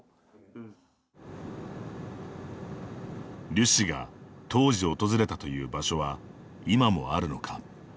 リュ氏が当時訪れたという場所は今もあるのか。